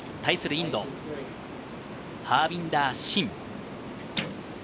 インド、ハービンダー・シン。